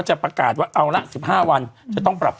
นับจากวันไหนคะ